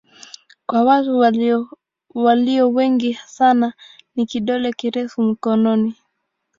Kwa watu walio wengi sana ni kidole kirefu mkononi.